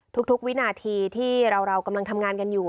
ทุกวินาทีที่เรากำลังทำงานกันอยู่